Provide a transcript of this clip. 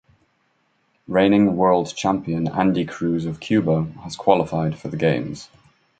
Reigning World Champion Andy Cruz of Cuba has qualified for the Games.